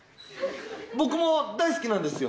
僕も大好きなんですよ。